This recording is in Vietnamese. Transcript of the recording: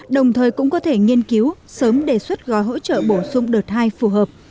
đồng thời cũng có thể nghiên cứu sớm đề xuất gói hỗ trợ bổ sung đợt hai phù hợp